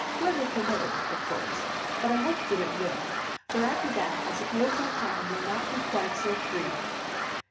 "Weather permitting, of course. But I hope that it will; for after that I suppose my time will not be quite so free."